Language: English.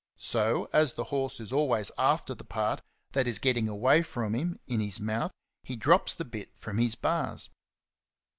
So, as the horse is always after the part that is getting away from him in his mouth, he drops the bit from his bars.